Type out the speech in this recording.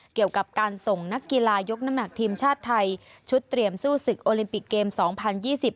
เกี่ยวกับการส่งนักกีฬายกน้ำหนักทีมชาติไทยชุดเตรียมสู้ศึกโอลิมปิกเกมสองพันยี่สิบ